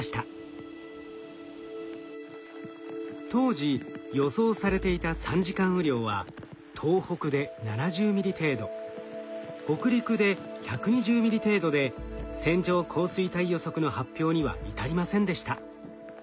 当時予想されていた３時間雨量は東北で７０ミリ程度北陸で１２０ミリ程度で線状降水帯予測の発表には至りませんでした。